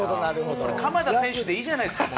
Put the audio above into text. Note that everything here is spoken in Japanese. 鎌田選手でいいじゃないですか。